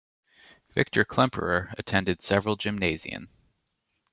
Victor Klemperer attended several Gymnasien.